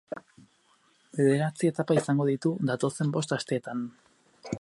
Bederatzi etapa izango ditu, datozen bost asteetan.